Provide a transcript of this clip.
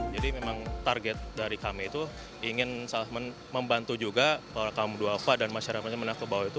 jadi memang target dari kami itu ingin membantu juga kaum duah pah dan masyarakat menaklubah itu